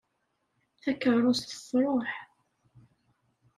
Takerrust truḥ.